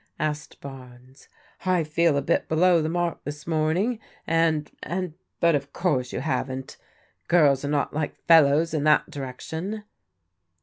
asked Barnes. "I feel a bit below the mark this morning, and — and, but of course you haven't. Girls are not like fellows in that direction."